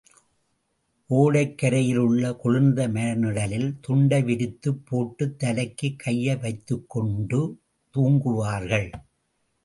ஒடைக்கரையில் உள்ள குளிர்ந்த மரநிழலில் துண்டை விரித்துப் போட்டுத் தலைக்குக் கையை வைத்துக்கொண்டு தூங்குவார்கள்.